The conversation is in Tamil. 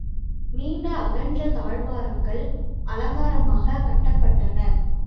நீண்ட அகன்ற தாழ்வாரங்கள் அலங்காரமாகக் கட்டப்பட்டன.